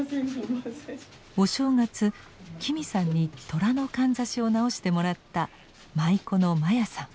お正月紀美さんに寅のかんざしを直してもらった舞妓の真矢さん。